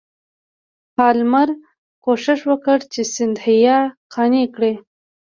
پالمر کوښښ وکړ چې سیندهیا قانع کړي.